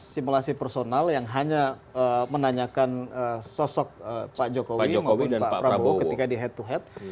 simulasi personal yang hanya menanyakan sosok pak jokowi maupun pak prabowo ketika di head to head